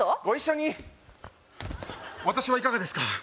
ご一緒に私はいかがですか？